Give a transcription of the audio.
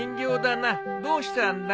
どうしたんだ？